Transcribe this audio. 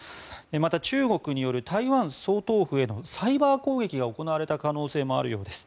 また、中国による台湾総統府へのサイバー攻撃が行われた可能性もあるようです。